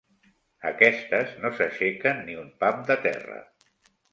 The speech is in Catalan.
Aquestes no s'aixequen ni un pam de terra.